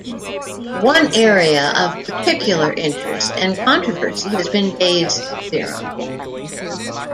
One area of particular interest and controversy has been Bayes' theorem.